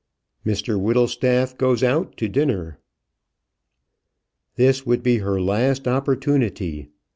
MR WHITTLESTAFF GOES OUT TO DINNER. This would be her last opportunity.